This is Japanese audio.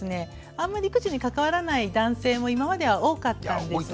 あんまり育児に関わらない男性も今までは多かったんですが。